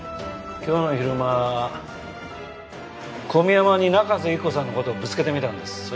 今日の昼間小宮山に中瀬由紀子さんのことをぶつけてみたんです。